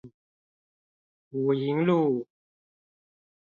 武營路